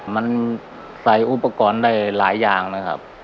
มันใส่อุปกรณ์ได้หลายอย่างนะครับ